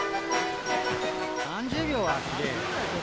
３０秒はすげぇよ。